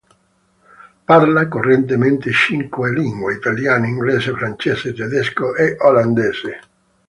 Parla correntemente cinque lingue: italiano, inglese, francese, tedesco e olandese.